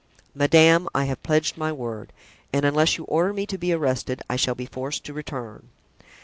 "Madame, I have pledged my word, and unless you order me to be arrested I shall be forced to return."